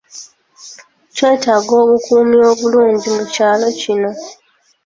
Twetaaga obukuumi obulungi mu kyalo kino.